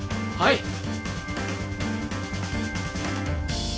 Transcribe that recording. はい！